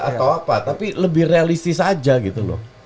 atau apa tapi lebih realistis saja gitu loh